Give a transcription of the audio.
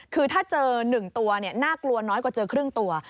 คือถ้าเจอหนึ่งตัวเนี่ยน่ากลัวน้อยกว่าเจอครึ่งตัว